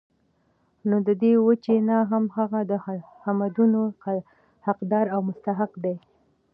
نو د دي وجي نه هم هغه د حمدونو حقدار او مستحق دی